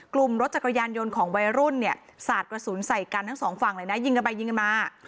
กลุ่มรถจักรยานยนต์ของวัยรุ่นเนี่ยสาดกระสุนใส่กันทั้งสองฝั่งเลยนะยิงกันไปยิงกันมา